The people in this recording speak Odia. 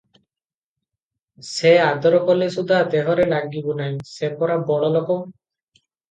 ସେ ଆଦର କଲେ ସୁଦ୍ଧା ଦେହରେ ଲାଗିବୁ ନାହି ସେ ପରା ବଡ଼ ଲୋକ ।